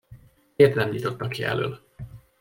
Miért nem nyitotta ki elöl?